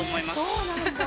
そうなんだ。